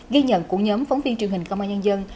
ghi nhận của nhóm phóng viên truyền hình công an nhân dân